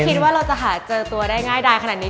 คิดว่าเราจะหาเจอตัวได้ง่ายดายขนาดนี้